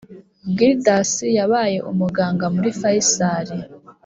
Gildas yabaye umuganga muri Faisal